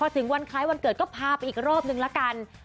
ถึงวันคล้ายวันเกิดก็พาไปอีกรอบนึงละกัน